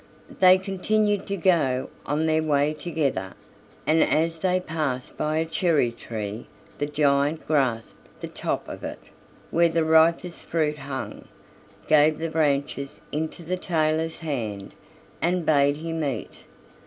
They continued to go on their way together, and as they passed by a cherry tree the giant grasped the top of it, where the ripest fruit hung, gave the branches into the tailor's hand, and bade him eat.